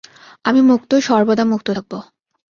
আমি মুক্ত, সর্বদা মুক্ত থাকব।